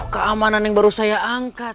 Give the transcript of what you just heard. keamanan yang baru saya angkat